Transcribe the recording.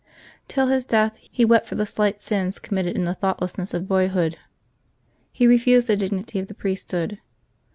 Till his death, he wept for the slight sins committed in the thoughtlessness of boyhood. He refused the dignity of the priesthood.